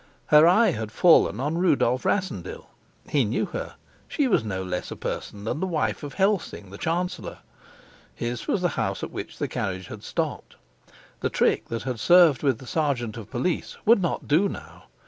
Her eye had fallen on Rudolf Rassendyll. He knew her: she was no less a person than the wife of Helsing the chancellor; his was the house at which the carriage had stopped. The trick that had served with the sergeant of police would not do now.